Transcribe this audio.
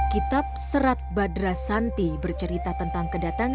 kitab serat badrasanti bercerita tentang kedatangan